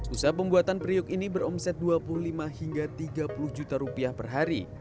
usaha pembuatan periuk ini beromset rp dua puluh lima hingga rp tiga puluh per hari